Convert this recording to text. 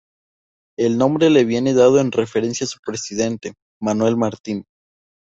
El nombre le viene dado en referencia a su presidente, Manuel Marín.